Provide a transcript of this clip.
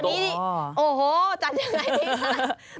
โอ้โหจัดยังไงดีค่ะ